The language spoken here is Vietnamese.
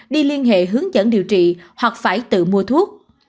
đi liên hệ hướng dẫn điều trị hoặc phải tự mua thuốc